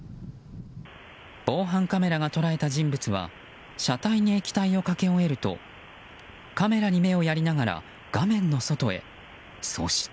防犯カメラが捉えた人物は車体に液体をかけ終えるとカメラに目をやりながら画面の外へ、そして。